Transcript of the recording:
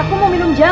bisa berubah juga